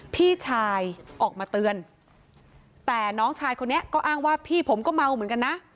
พี่ชายออกมาเตือนแต่น้องชายคนนี้ก็อ้างว่าพี่ผมก็เมาเหมือนกันนะ